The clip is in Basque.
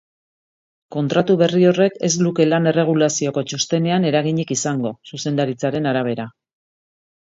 Kontratu berri horrek ez luke lan erregulazioko txostenean eraginik izango, zuzendaritzaren arabera.